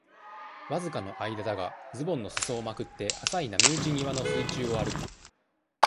わずかの間だが、ズボンの裾をまくって、浅い波打ち際の水中を歩く。